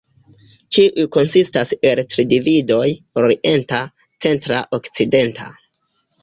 Ĉiu konsistas el tri dividoj: Orienta, Centra, Okcidenta.